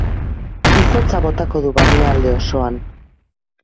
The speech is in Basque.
Izotza botako du barnealde osoan.